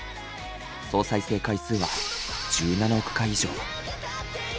総再生回数は１７億回以上。